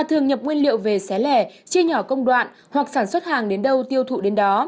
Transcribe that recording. thường nhập nguyên liệu về xé lẻ chia nhỏ công đoạn hoặc sản xuất hàng đến đâu tiêu thụ đến đó